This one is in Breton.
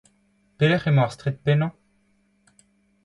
Pelec'h emañ ar straed pennañ ?